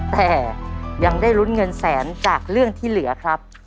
แต่ยังได้ลุ้นเงินแสนจากเรื่องที่เหลือครับ